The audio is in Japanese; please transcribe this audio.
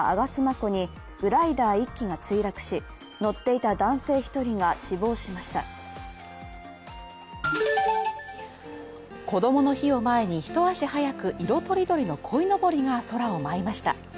湖にグライダー１機が墜落し、乗っていた男性１人が死亡しましたこどもの日を前に一足早く色とりどりのこいのぼりが空を舞いました。